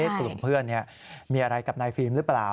กลุ่มเพื่อนมีอะไรกับนายฟิล์มหรือเปล่า